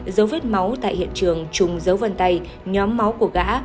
dấu vết máu tại hiện trường trùng dấu vân tay nhóm máu của gã